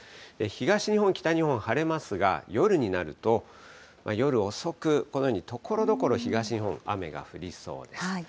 東日本、北日本、晴れますが、夜になると、夜遅く、このように、ところどころ東日本、雨が降りそうです。